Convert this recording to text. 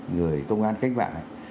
người công an cách bạn này